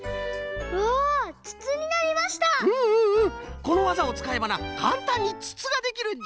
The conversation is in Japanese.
このわざをつかえばなかんたんにつつができるんじゃ！